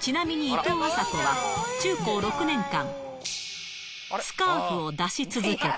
ちなみにいとうあさこは、中高６年間、スカーフを出し続けた。